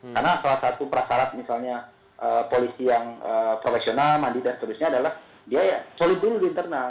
karena salah satu persarat misalnya polisi yang profesional mandi dan seterusnya adalah dia ya solid dulu di internal